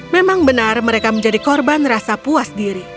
memang benar mereka menjadi korban rasa puas diri